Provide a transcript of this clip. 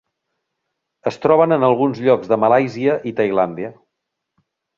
Es troben en alguns llocs de Malàisia i Tailàndia.